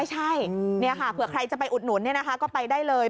ใช่เผื่อใครจะไปอุดหนุนก็ไปได้เลย